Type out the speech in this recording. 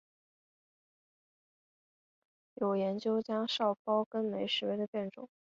有研究将少孢根霉视为的变种。